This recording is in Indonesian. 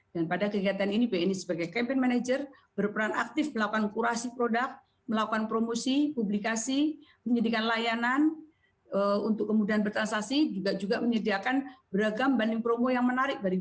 dan pada kegiatan ini bni sebagai campaign manager berperan aktif melakukan kurasi produk melakukan promosi publikasi menyediakan layanan untuk kemudahan bertransaksi juga menyediakan beragam banding promo yang menarik